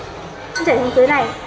chảy xuống dưới này